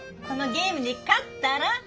このゲームに勝ったら。